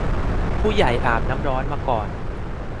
ผู้ใหญ่อาบน้ำร้อนมาก่อน